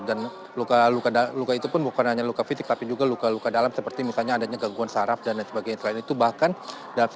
dan luka luka itu pun bukan hanya luka fisik tapi juga luka luka dalam seperti misalnya adanya gangguan syaraf dan sebagainya